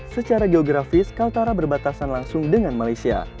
secara geografis kaltara berbatasan langsung dengan malaysia